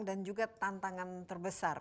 dan juga tantangan terbesar